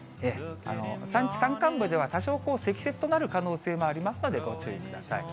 山地、山間部では多少積雪となる可能性もありますので、ご注意ください。